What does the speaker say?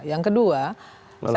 yang kedua saya tahu persis